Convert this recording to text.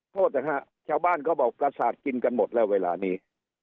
โทษนะฮะชาวบ้านเขาบอกประสาทกินกันหมดแล้วเวลานี้